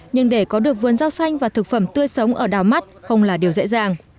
nhưng để có được vườn rau xanh và thực phẩm tươi sống ở đào mắt không là điều dễ dàng